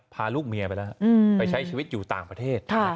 พาลูกเมียไปแล้วไปใช้ชีวิตอยู่ต่างประเทศ